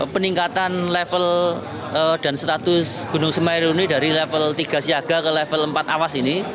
peningkatan level dan status gunung semeru ini dari level tiga siaga ke level empat awas ini